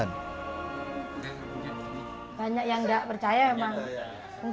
banyak yang tidak percaya memang